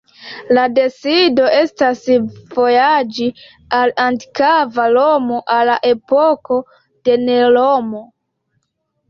La decido estas vojaĝi al antikva Romo, al la epoko de Nerono.